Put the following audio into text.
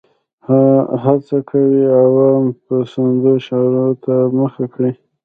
هڅه کوي عوام پسندو شعارونو ته مخه کړي.